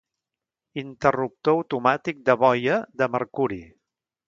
Interruptor automàtic, de boia, de mercuri.